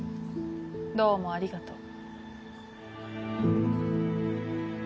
どうもありがとう。